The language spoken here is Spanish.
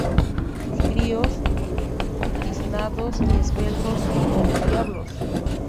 sus críos, tiznados y esbeltos como diablos